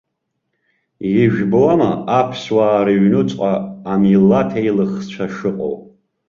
Ижәбома аԥсуаа рыҩнуҵҟа амилаҭеилыхцәа шыҟоу.